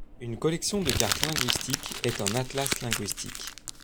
Une collection de cartes linguistiques est un atlas linguistique.